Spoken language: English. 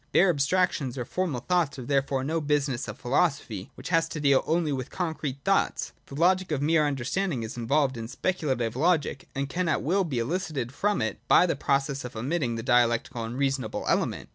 Bare abstractions or formal thoughts are therefore no business of philosophy, which has to deal only with concrete thoughts. (3) The logic of mere Understanding is involved in Speculative logic, and can at will be elicited from it, by the simple process of omitting the dialectical and ' reasonable ' element.